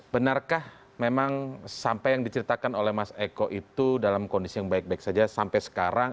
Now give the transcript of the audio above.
benarkah memang sampai yang diceritakan oleh mas eko itu dalam kondisi yang baik baik saja sampai sekarang